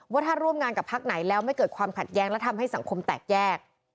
ว่าถ้าร่วมงานกับพักไหนแล้วไม่เกิดความขัดแย้งและทำให้สังคมแตกแยก